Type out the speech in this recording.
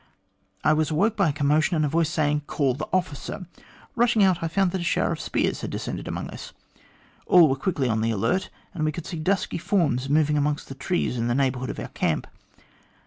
I was awoke by a commotion and a voice saying, 'Call the officer.' Eushing out, I found that a shower of spears had descended among us. All were quickly on the alert, and we could see dusky forms moving amongst the trees in the neighbourhood of our camp.